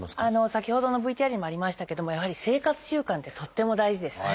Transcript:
先ほどのＶＴＲにもありましたけどもやはり生活習慣ってとっても大事です。